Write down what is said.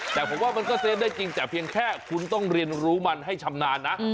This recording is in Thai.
แต่ผมว่ามันก็เซฟได้จริงแต่เพียงแค่คุณต้องเรียนรู้มันให้ชำนาญนะ